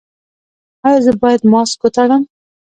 ایا زه باید ماسک وتړم؟